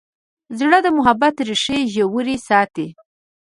زړه د محبت ریښې ژورې ساتي.